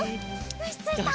よしついた！